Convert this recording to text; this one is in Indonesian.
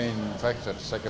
itu faktor utama